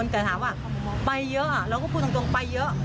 แต่ถามว่าไปเยอะเราก็พูดตรงไปเยอะ